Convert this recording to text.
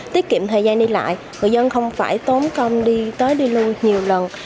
tiết kiệm thời gian đi lại người dân không phải tốn công đi tới đi luôn nhiều lần